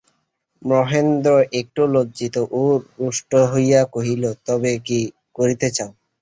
মহেন্দ্র একটু লজ্জিত ও রুষ্ট হইয়া কহিল, তবে কী করিতে চাও!